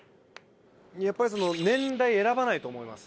やっぱり年代選ばないと思います。